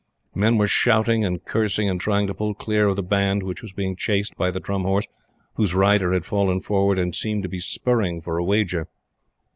Men were shouting and cursing, and trying to pull clear of the Band which was being chased by the Drum Horse whose rider had fallen forward and seemed to be spurring for a wager.